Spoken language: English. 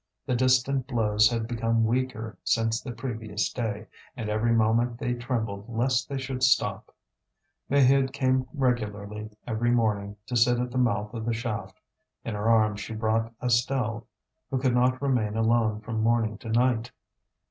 The distant blows had become weaker since the previous day, and every moment they trembled lest they should stop. Maheude came regularly every morning to sit at the mouth of the shaft. In her arms she brought Estelle, who could not remain alone from morning to night.